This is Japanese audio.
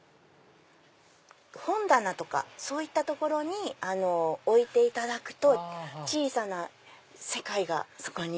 本棚とかそういった所に置いていただくと小さな世界がそこに。